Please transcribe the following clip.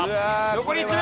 残り１秒。